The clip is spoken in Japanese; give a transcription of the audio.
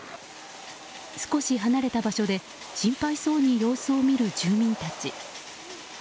少し離れ場所で心配そうに様子を見る住民たち。